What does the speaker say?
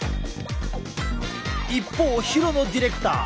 一方廣野ディレクター